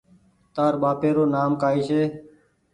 تاَر ٻهاپيرو نآم ڪائي ڇي